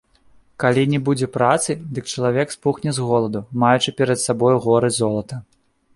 Калі не будзе працы, дык чалавек спухне з голаду, маючы перад сабою горы золата.